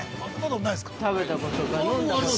◆食べたこと飲んだことあるの？